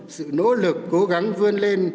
sự nỗ lực cố gắng vươn lên